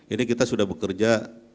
ini kita sudah bekerja